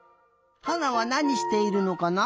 花はなにしているのかな？